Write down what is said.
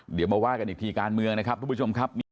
เดี๋ยวมาว่ากันอีกทีการเมืองนะครับทุกผู้ชมครับ